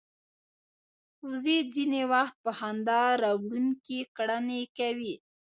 وزې ځینې وخت په خندا راوړونکې کړنې کوي